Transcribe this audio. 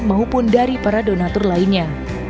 maupun dari para donatur lainnya